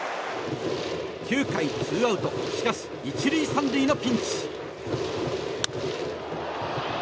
９回２アウトしかし、１塁３塁のピンチ。